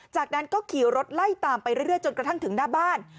จากนั้นก็ขี่รถไล่ตามไปเรื่อยจนกระทั่งถึงหน้าบ้าน